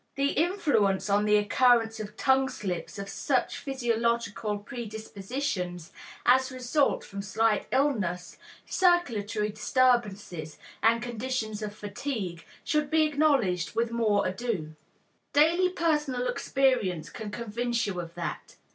The influence on the occurrence of tongue slips of such physiological predispositions as result from slight illness, circulatory disturbances and conditions of fatigue, should be acknowledged without more ado. Daily personal experience can convince you of that.